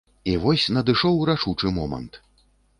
І вось надышоў рашучы момант.